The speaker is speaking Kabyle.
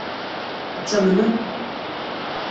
Ad tt-amnen?